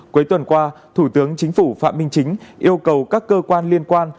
cuối tuần qua thủ tướng chính phủ phạm minh chính yêu cầu các cơ quan liên quan